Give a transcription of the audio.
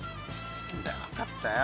何だよ分かったよ。